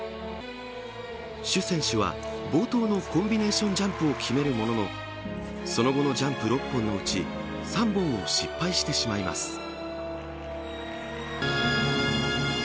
シュ選手は、冒頭のコンビネーションジャンプを決めるもののその後のジャンプ６本のうち３本を失敗してしまいます。